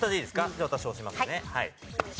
じゃあ私押しますね。